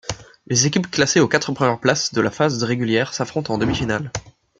Les équipes classées aux quatre premières places de la phase régulières s’affrontent en demi-finales.